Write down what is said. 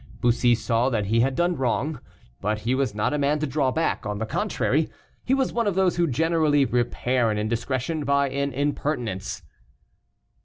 Bussy saw that he had done wrong; but he was not a man to draw back; on the contrary, he was one of those who generally repair an indiscretion by an impertinence.